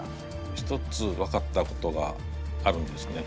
一つ分かったことがあるんですね。